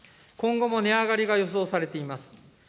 今後も値上がりが予想されています。